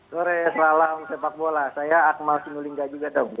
sore selalam sepak bola saya akmal sinulinga juga tom